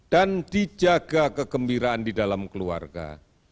dan dijaga kegembiraan di dalam keluarga